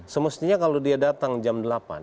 semestinya kalau dia datang jam delapan